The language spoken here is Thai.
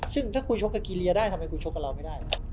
ซึ่งถ้าคุณชกกับกิเลียได้ทำไมคุณชกกับเราไม่ได้นะ